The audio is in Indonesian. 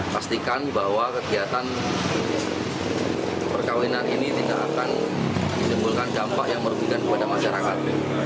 pastikan bahwa kegiatan perkawinan ini tidak akan menimbulkan dampak yang merugikan kepada masyarakat